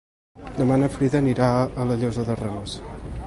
Demà na Frida anirà a la Llosa de Ranes.